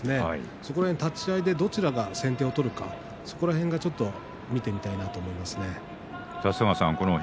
立ち合いでどちらが先手を取るかその辺を見てみたいなと思います。